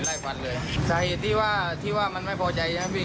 ฟันเลยสาเหตุที่ว่าที่ว่ามันไม่พอใจใช่ไหมพี่